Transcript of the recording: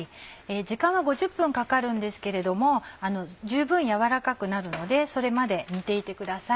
時間は５０分かかるんですけれども十分軟らかくなるのでそれまで煮ていてください。